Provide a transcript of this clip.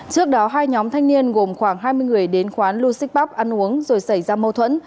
trước đó hai nhóm thanh niên gồm khoảng hai mươi người đến quán lusik pub ăn uống rồi xảy ra mâu thuẫn